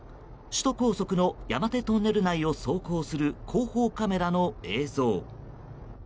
首都高速の山手トンネル内を走行する後方カメラの映像。